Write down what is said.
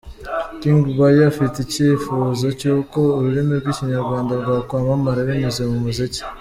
King Bayo afite icyifuzo cy’uko ururimi rw’ikinyarwanda rwakwamamara binyuze mu muziki….